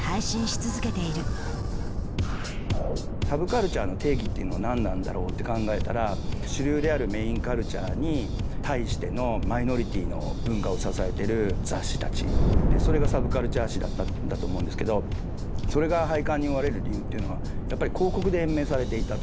サブカルチャーの定義というのは何なんだろうと考えたら主流であるメインカルチャーに対してのマイノリティーの文化を支えてる雑誌たちそれがサブカルチャー誌だったんだと思うんですけどそれが廃刊に追われる理由というのはやっぱり広告で延命されていたと。